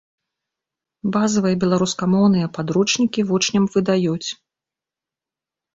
Базавыя беларускамоўныя падручнікі вучням выдаюць.